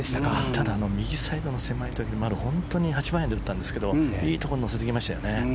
ただ右サイドの狭いところに本当に８番アイアンで打ってきたんですけどいいところに乗せてきましたよね。